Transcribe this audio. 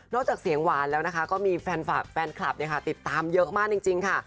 จากเสียงหวานแล้วนะคะก็มีแฟนคลับติดตามเยอะมากจริงค่ะ